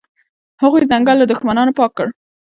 هغوی ځنګل له دښمنانو پاک کړ.